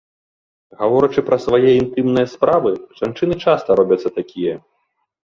Гаворачы пра свае інтымныя справы, жанчыны часта робяцца такія.